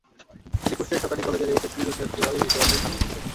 তিনি কুষ্টিয়া সরকারি কলেজের এইচএসসি বিজ্ঞান বিভাগের দ্বিতীয় বর্ষের ছাত্রী ছিলেন।